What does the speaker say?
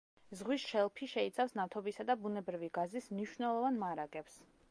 ზღვის შელფი შეიცავს ნავთობისა და ბუნებრივი გაზის მნიშვნელოვან მარაგებს.